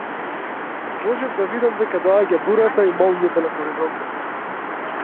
Можев да видам дека доаѓа бурата и молњите на хоризонтот.